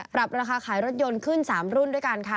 ราคาขายรถยนต์ขึ้น๓รุ่นด้วยกันค่ะ